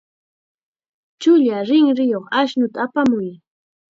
Chulla rinriyuq ashnuta apamuy.